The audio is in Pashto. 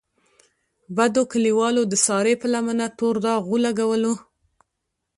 بدو کلیوالو د سارې په لمنه تور داغ ولګولو.